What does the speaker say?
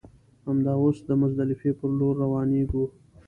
همدا اوس د مزدلفې پر لور روانېږو.